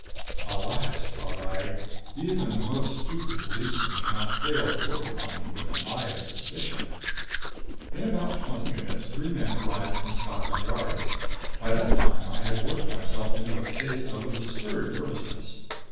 Alas, thought I, even the most stupid policeman can not fail to look upon me with the eye of suspicion! In about twenty minutes three men arrived from Scotland Yard. By that time I had worked myself up into a state of absurd nervousness.